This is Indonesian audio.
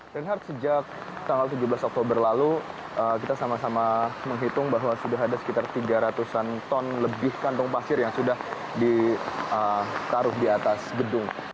reinhard sejak tanggal tujuh belas oktober lalu kita sama sama menghitung bahwa sudah ada sekitar tiga ratus an ton lebih kantong pasir yang sudah ditaruh di atas gedung